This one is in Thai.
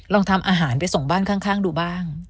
ลองทำอาหารไปส่งบ้านข้างดูบ้าง